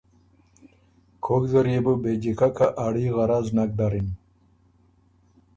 کوک زر يې بُو بې جیککه اړي غرض نک دَرِم۔